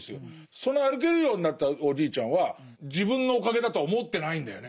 その歩けるようになったおじいちゃんは自分のおかげだとは思ってないんだよね。